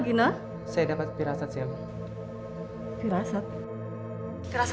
tidak ada yang bisa dikira